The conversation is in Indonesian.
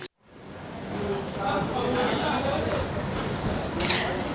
dan beberapa barang barang yang masih dilakukan suatu verifikasi oleh tim penyidik